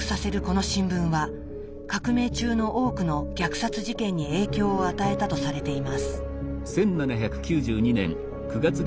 この新聞は革命中の多くの虐殺事件に影響を与えたとされています。